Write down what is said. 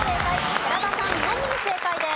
寺田さんのみ正解です。